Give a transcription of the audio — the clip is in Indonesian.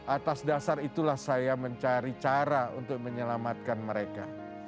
atas dasar itulah saya mencari cara untuk menyelamatkan mereka